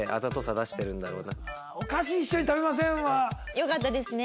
良かったですね。